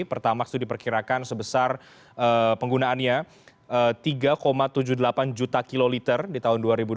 pertamax itu diperkirakan sebesar penggunaannya tiga tujuh puluh delapan juta kiloliter di tahun dua ribu dua puluh